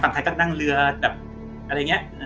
ฝั่งไทยก็นั่งเรืออะไรอย่างเงี้ย